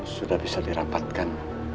sudah bisa dirapatkan